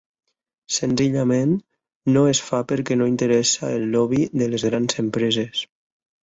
Senzillament, no es fa perquè no interessa el lobby de les grans empreses.